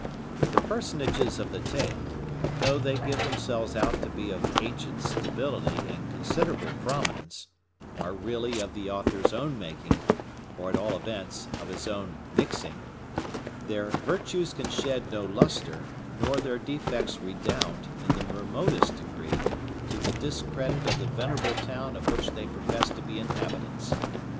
The personages of the tale—though they give themselves out to be of ancient stability and considerable prominence—are really of the author's own making, or at all events, of his own mixing; their virtues can shed no lustre, nor their defects redound, in the remotest degree, to the discredit of the venerable town of which they profess to be inhabitants.